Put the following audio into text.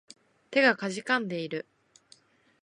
手が悴んでいる